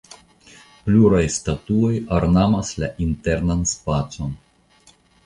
Pluraj statuoj ornamas la internan spacon.